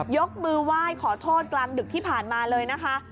ยกมือไหว้ขอโทษกลางดึกที่ผ่านมาเลยนะคะ